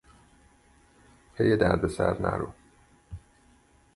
پی دردسر نرو!